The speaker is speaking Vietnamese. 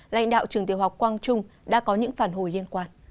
lãnh đạo trường tiểu học quang trung đã có những phản hồi liên quan